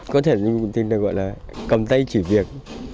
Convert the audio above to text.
có thể mình cũng tìm được gọi là cầm tay chỉ việc